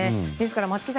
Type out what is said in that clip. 松木さん